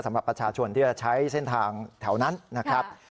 สำหรับประชาชนที่จะใช้เส้นทางแถวนั้นนะครับ